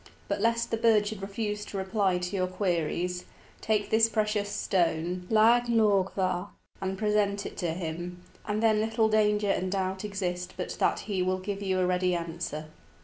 But lest the bird should refuse to reply to your queries, take this precious stone (leag lorgmhar), and present it to him, and then little danger and doubt exist but that he will give you a ready answer."